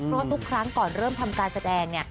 เพราะทุกครั้งก่อนเริ่มทำการแสดงเนี่ย